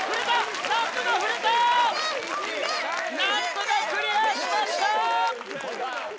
何とかクリアしました。